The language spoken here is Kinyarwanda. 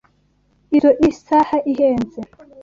Izoi saha ihenze.